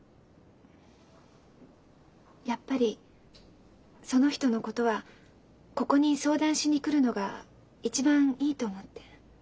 やっぱりその人のことはここに相談しに来るのが一番いいと思って。